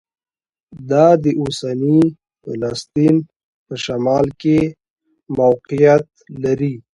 دا د اوسني فلسطین په شمال کې موقعیت لري.